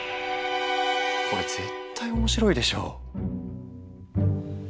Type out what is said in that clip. これ絶対面白いでしょ。